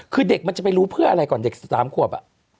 คือเด็กมันจะไปรู้เพื่ออะไรก่อนเด็ก๑๓ขวบ